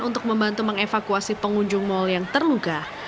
untuk membantu mengevakuasi pengunjung mal yang terluka